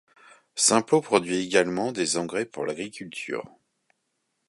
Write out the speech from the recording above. Simplot produit également des engrais pour l'agriculture.